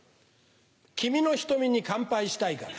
君の瞳に乾杯したいから。